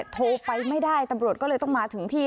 โทรไปไม่ได้ตำรวจก็เลยต้องมาถึงที่